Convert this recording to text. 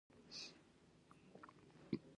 له دغه تور څخه هر پښتون جرګه مار او سپين ږيري ډډه کوي.